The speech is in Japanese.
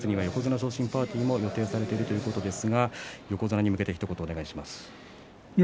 １０月には横綱昇進パーティーも予定されているということですが横綱に向けてひと言。